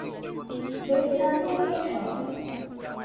Bathe সাজিয়েছে এসব?